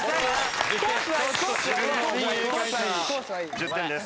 １０点です。